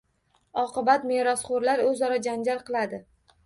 Oqibat, merosxo‘rlar o‘zaro janjal qiladi.